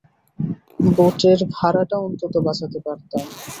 বোটের ভাড়াটা অন্তত বাঁচাতে পারতাম।